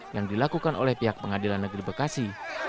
yang dilakukan oleh pihak pengadilan negeri bekasi